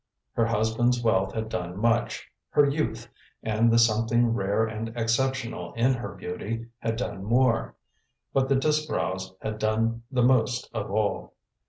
Her husband's wealth had done much; her youth, and the something rare and exceptional in her beauty, had done more; but the Disbrowes had done the most of all.